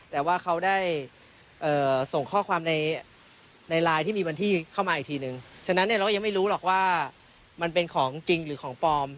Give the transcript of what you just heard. แต่ว่าเขาได้ส่งข้อความในไลน์ที่มีวันที่เข้ามาอีกทีนึงฉะนั้นเนี่ยเราก็ยังไม่รู้หรอกว่ามันเป็นของจริงหรือของปลอม